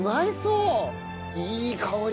いい香り。